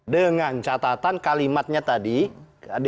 dengan catatan kalimatnya tadi